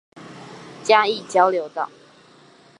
嘉義交流道